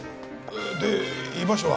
で居場所は？